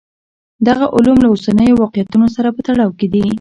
دغه علوم له اوسنیو واقعیتونو سره په تړاو کې دي.